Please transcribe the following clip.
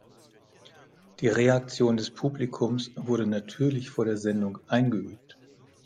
Die Reaktion des Publikums wurde natürlich vor der Sendung eingeübt.